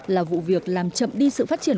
là vụ việc làm chậm đi sự phát triển